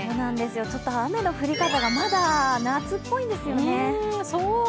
ちょっと雨の降り方がまだ夏っぽいんですよね。